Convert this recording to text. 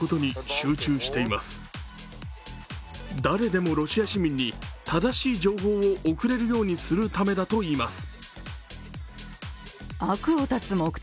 その狙いは誰でもロシア市民に正しい情報を送れるようにするためだといいます。